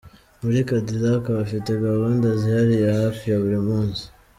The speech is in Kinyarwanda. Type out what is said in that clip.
Muri Cadillac bafite gahunda zihariye hafi ya buri munsi.